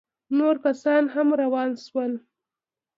نور کسان هم روان سول.